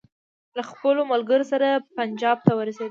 له خپلو ملګرو سره پنجاب ته ورسېدلو.